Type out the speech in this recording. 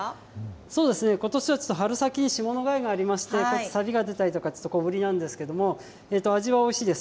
そうですね、ことしはちょっと春先、霜の害がありまして、さびが出たり、ちょっと小ぶりなんですけれども、味はおいしいです。